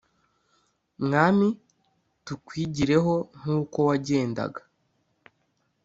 mwami tukwigireho, nkuko wagendaga.